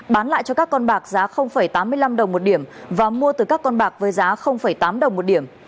bán lại cho các con bạc giá tám mươi năm đồng một điểm và mua từ các con bạc với giá tám đồng một điểm